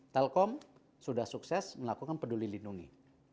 telkom sudah sukses melakukan peduli lindungi